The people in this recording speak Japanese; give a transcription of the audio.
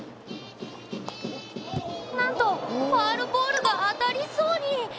なんとファウルボールが当たりそうに！